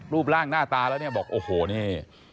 รูปร่างหน้าตาแล้วเนี่ยบอกโอ้โหนี่